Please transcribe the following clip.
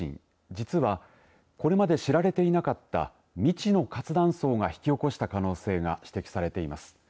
実はこれまで知られていなかった未知の活断層が引き起こした可能性が指摘されています。